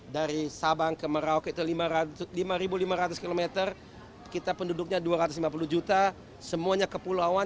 dari sabang ke merauke itu lima lima ratus km kita penduduknya dua ratus lima puluh juta semuanya kepulauan